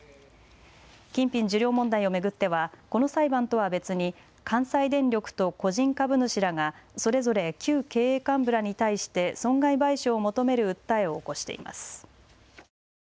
金品受領問題を巡ってはこの裁判とは別に関西電力と個人株主らがそれぞれ旧経営幹部らに対して損害賠償を求める訴えを起こしています。